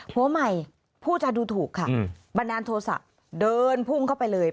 ผัวใหม่ผู้จาดูถูกค่ะบันดาลโทษะเดินพุ่งเข้าไปเลย